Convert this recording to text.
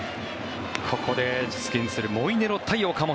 ここで実現するモイネロ対岡本。